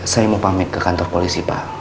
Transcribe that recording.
saya mau pamit ke kantor polisi pak